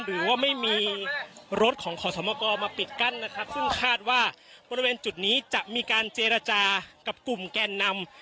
หรือว่าไม่มีรถของขอสมกรมาปิดกั้นนะครับซึ่งคาดว่าบริเวณจุดนี้จะมีการเจรจากับกลุ่มแกนนำ